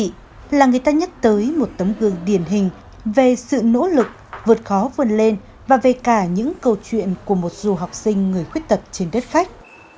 nguyễn thị lan anh là người ta nhắc tới một tấm gương điển hình về sự nỗ lực vượt khó vươn lên và về cả những câu chuyện của một dù học sinh người khuyết tật trên đất khách